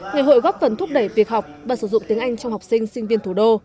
ngày hội góp phần thúc đẩy việc học và sử dụng tiếng anh trong học sinh sinh viên thủ đô